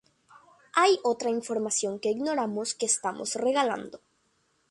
hay otra información que ignoramos que estamos regalando